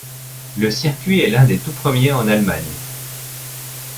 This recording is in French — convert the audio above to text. Le circuit est l'un des tout premiers en Allemagne.